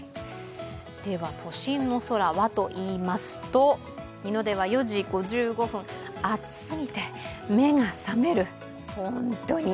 では都心の空はといいますと日の出は４時５５分、暑すぎて目が覚める本当に。